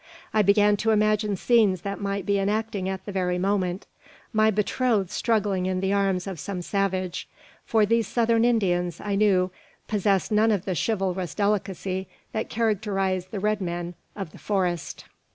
I began to imagine scenes that might be enacting at that very moment: my betrothed struggling in the arms of some savage; for these southern Indians, I knew, possessed none of the chivalrous delicacy that characterise the red men of the "forest."